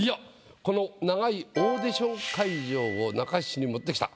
この長い「オーディション会場」を中七に持ってきた。